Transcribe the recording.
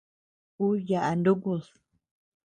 Ú yaʼa nukud.